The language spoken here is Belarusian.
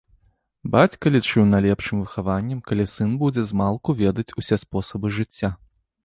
Бацька лічыў найлепшым выхаваннем, калі сын будзе змалку ведаць усе спосабы жыцця.